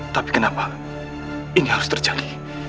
tapi kenapa ini harus terjadi